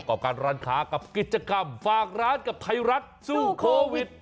รอบการร้านค้ากับกิจกรรมฝากร้านกับไทยรัฐสู้โควิด